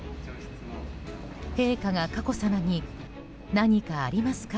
陛下が佳子さまに何かありますか？